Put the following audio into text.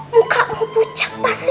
mukamu pucat pasti